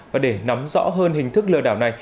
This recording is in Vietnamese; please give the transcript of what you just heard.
và để nắm rõ hơn hình thức lừa đảo này